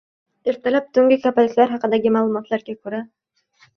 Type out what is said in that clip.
Ertalab "tungi kapalaklar" haqida Ma'lumotlarga ko'ra